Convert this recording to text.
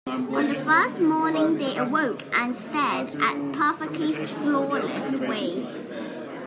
On the first morning, they awoke and stared at perfectly flawless waves.